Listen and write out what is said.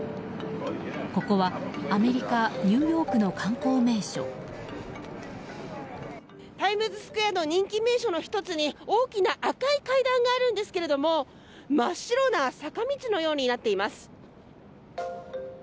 ここはアメリカ・ニューヨークのタイムズスクエアの人気名所の１つに大きな赤い階段があるんですけれども真っ白な坂道のようになっています。